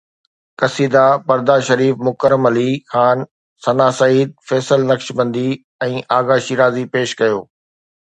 قصيده برده شريف مڪرم علي خان، ثنا سعيد، فيصل نقشبندي ۽ آغا شيرازي پيش ڪيو.